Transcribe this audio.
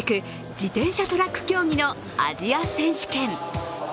自転車トラック競技のアジア選手権。